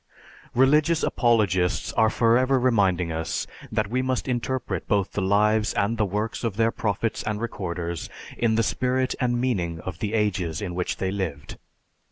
Religious apologists are forever reminding us that we must interpret both the lives and the works of their prophets and recorders in the spirit and meaning of the ages in which they lived.